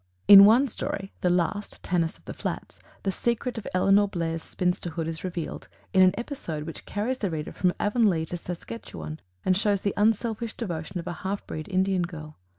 In one story, the last, "Tannis of the Flats," the secret of Elinor Blair's spinsterhood is revealed in an episode which carries the reader from Avonlea to Saskatchewan and shows the unselfish devotion of a half breed Indian girl.